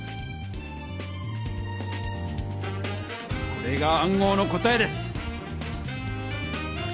これが暗号の答えです！